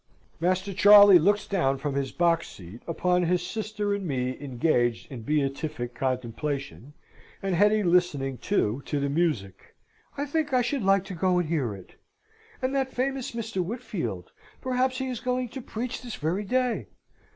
Master Charley looks down from his box seat upon his sister and me engaged in beatific contemplation, and Hetty listening too, to the music. "I think I should like to go and hear it. And that famous Mr. Whitfield, perhaps he is going to preach this very day!